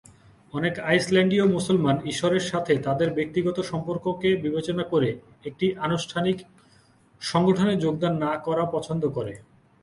অনেক আইসল্যান্ডীয় মুসলমান ঈশ্বরের সাথে তাদের ব্যক্তিগত সম্পর্ককে বিবেচনা করে একটি আনুষ্ঠানিক সংগঠনে যোগদান না করা পছন্দ করে।